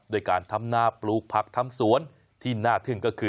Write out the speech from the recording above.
ด้วยการทำหน้าปลูกผักทำสวนที่น่าทึ่งก็คือ